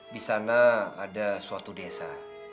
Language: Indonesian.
di sana ada suatu desa